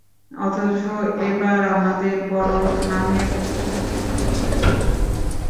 অথচ এবার আমাদের বরং নামিয়ে দেওয়া হলো আরও দুই ধাপ নিচে।